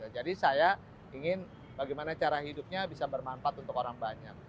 jadi saya ingin bagaimana cara hidupnya bisa bermanfaat untuk orang banyak